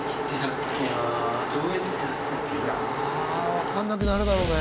わかんなくなるだろうね。